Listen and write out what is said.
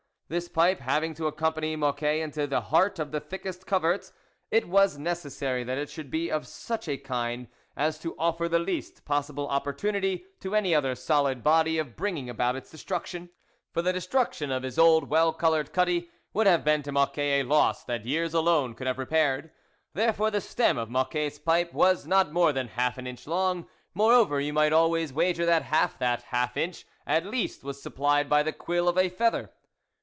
This pipe, having to accompany Mocquet into the heart of the thickest coverts, it was necessary that it should be * See Mtmoirts. THE WOLF LEADER of such a kind as to offer the least possible opportunity to any other solid body of bringing about its destruction; for the destruction of his old, well coloured cutty would have been to Mocquet a loss that years alone could have repaired. There fore the stem of Mocquet's pipe was not more than half an inch long; moreover you might always wager that half that half inch at least was supplied by the quill of a feather.